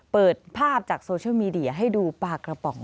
เปิดภาพจากโซเชียลมีเดียให้ดูปลากระป๋อง